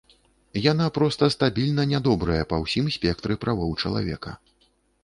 Яна проста стабільна нядобрая па ўсім спектры правоў чалавека.